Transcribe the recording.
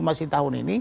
masih tahun ini